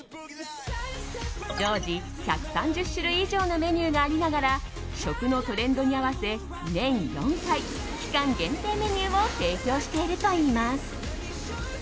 常時１３０種類以上のメニューがありながら食のトレンドに合わせ年４回期間限定メニューを提供しているといいます。